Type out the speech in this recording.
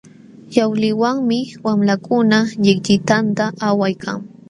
Yawliwanmi wamlakuna llikllitanta awaykan.